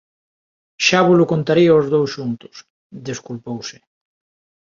_Xa volo contarei ós dous xuntos _desculpouse_.